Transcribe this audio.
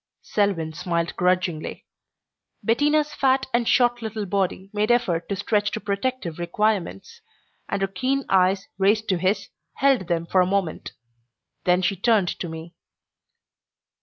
Selwyn smiled grudgingly. Bettina's fat and short little body made effort to stretch to protective requirements, and her keen eyes raised to his held them for a moment. Then she turned to me.